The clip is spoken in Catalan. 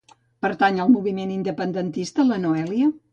Pertany al moviment independentista la Noèlia?